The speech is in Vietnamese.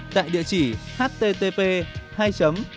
tại địa chỉ http http http http gov vn